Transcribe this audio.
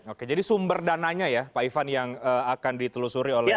oke jadi sumber dananya ya pak ivan yang akan ditelusuri oleh